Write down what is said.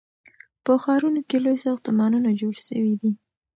په ښارونو کې لوی ساختمانونه جوړ سوي دي.